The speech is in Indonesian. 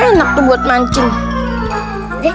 enak tuh buat mancing